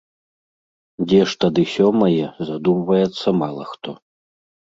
Дзе ж тады сёмае, задумваецца мала хто.